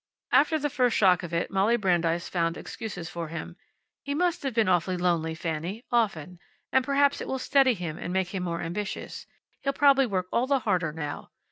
After the first shock of it Molly Brandeis found excuses for him. "He must have been awfully lonely, Fanny. Often. And perhaps it will steady him, and make him more ambitious. He'll probably work all the harder now."